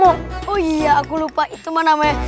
oh iya aku lupa itu mah namanya